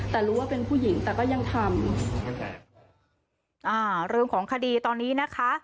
แต่รู้ว่าเป็นผู้หญิงแต่ก็ยังทำอ่าเรื่องของคดีตอนนี้นะคะ